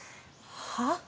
はあ？